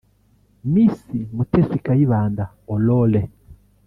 Miss Mutesi Kayibanda Aurore